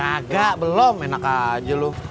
engga belum enak aja lu